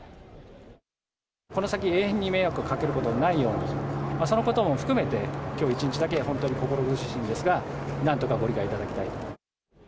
この先、永遠に迷惑をかけることがないように、そのことも含めて、きょう一日だけ、本当に心苦しいんですが、なんとかご理解いただきたいと。